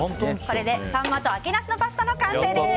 これでサンマと秋ナスのパスタ完成です。